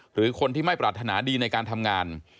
หรือคนที่ไม่ปรารถนาดีในการทำงาน